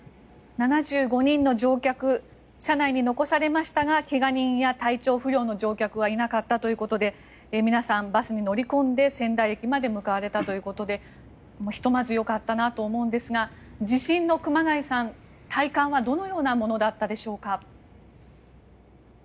７５人の乗客車内に残されましたが怪我人や体調不良の乗客はいなかったということで皆さん、バスに乗り込んで仙台駅まで向かわれたということでひとまずよかったなと思うんですが熊谷さん、地震の体感はどのようなものだったでしょうか。